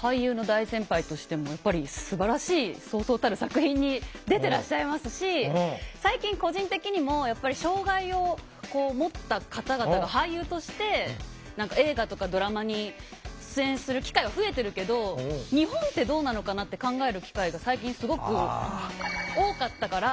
俳優の大先輩としてもやっぱりすばらしいそうそうたる作品に出てらっしゃいますし最近個人的にもやっぱり障害をもった方々が俳優として映画とかドラマに出演する機会が増えてるけど日本ってどうなのかなって考える機会が最近すごく多かったから。